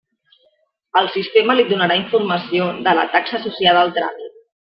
El sistema li donarà informació de la taxa associada al tràmit.